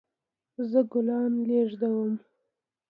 زه ګلان لیږدوم